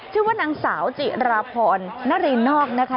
ชื่อว่านางสาวจิราพรนรินนอกนะคะ